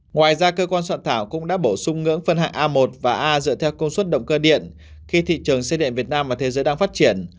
ngoài ra cơ quan soạn thảo cũng đã bổ sung ngưỡng phân hạng a một và a dựa theo công suất động cơ điện khi thị trường xe điện việt nam và thế giới đang phát triển